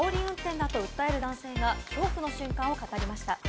あおり運転だと訴える男性が恐怖の瞬間を語りました。